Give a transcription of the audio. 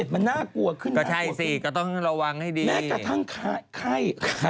แม่กระทั่งไข้